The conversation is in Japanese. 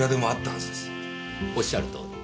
おっしゃるとおり。